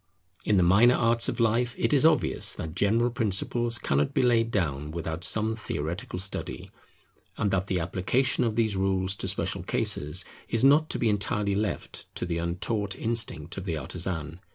In the minor arts of life, it is obvious that general principles cannot be laid down without some theoretical study; and that the application of these rules to special cases is not to be entirely left to the untaught instinct of the artisan.